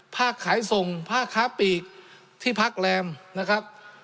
ขายส่งภาคค้าปีกที่พักแรมนะครับ